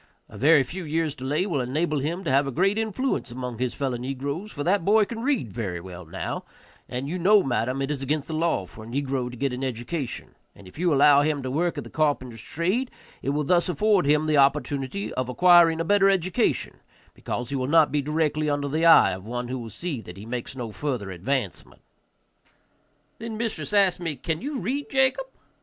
A very few years' delay will enable him to have a great influence among his fellow negroes, for that boy can read very well now, and you know, madam, it is against the law for a negro to get an education, and if you allow him to work at the carpenter's trade it will thus afford him the opportunity of acquiring a better education, because he will not be directly under the eye of one who will see that he makes no further advancement." Then mistress asked me, "Can you read, Jacob?"